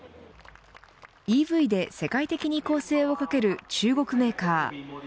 ＥＶで世界的に攻勢をかける中国メーカー。